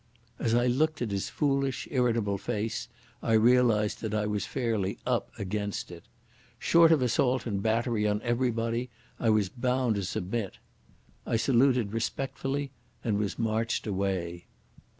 As I looked at his foolish, irritable face I realised that I was fairly UP against it. Short of assault and battery on everybody I was bound to submit. I saluted respectfully and was marched away.